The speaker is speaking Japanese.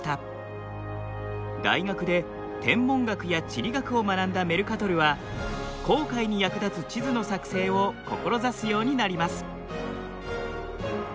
大学で天文学や地理学を学んだメルカトルは航海に役立つ地図の作成を志すようになります。